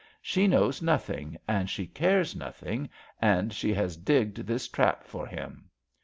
She knows nothing and she cares nothing, and she has digged this trap for him.